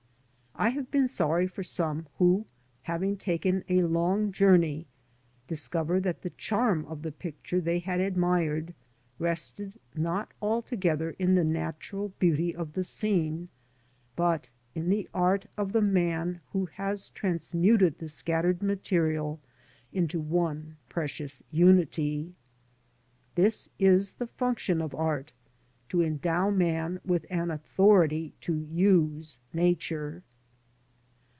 I have been sorry for some who, having taken a long journey, discover that the charm of the picture they had admired rested not altogether in the natural beauty of the scene, but in the art of the man who has transmuted the scattered material into one precious unity. This is the function of art, to endow man with an authority to use Nature.